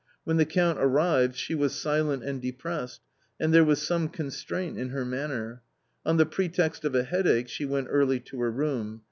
When the Count arrived, she was silent and depressed ; and there was some constraint in her manner. On the pretext of a headache she went early to her room.